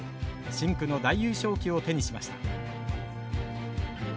深紅の大優勝旗を手にしました。